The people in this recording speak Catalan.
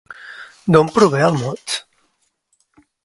D'on prové el mot?